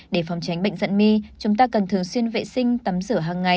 để phòng tránh bệnh giận mi chúng ta cần thường xuyên vệ sinh tắm rửa hằng ngày